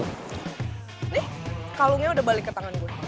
nih kalungnya udah balik ke tangan gue